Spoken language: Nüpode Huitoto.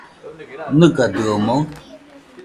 ¿Nɨgadɨomoɨ?